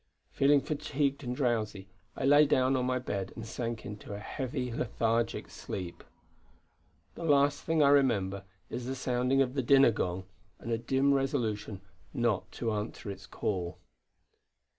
Feeling fatigued and drowsy I lay down on my bed and sank into a heavy, lethargic sleep. The last thing I remember is the sounding of the dinner gong, and a dim resolution not to answer its call....